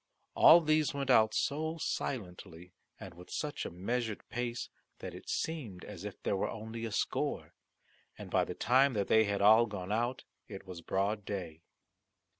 All these went out so silently, and with such a measured pace, that it seemed as if there were only a score. And by the time that they had all gone out it was broad day.